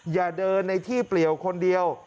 อย่าเดินในที่เปลี่ยวคนเดียว